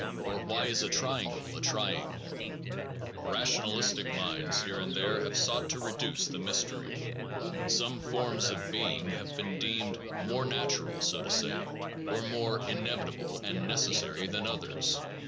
or Why is a triangle a triangle? Rationalistic minds here and there have sought to reduce the mystery. Some forms of 41 SOME PROBLEMS OF PHILOSOPHY being have been deemed more natural, so to say, or more inevitable and necessary than Rational others.